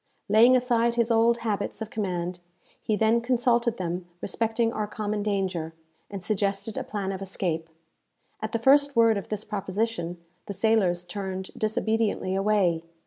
Laying aside his old habits of command, he then consulted them respecting our common danger, and suggested a plan of escape. At the first word of this proposition, the sailors turned disobediently away.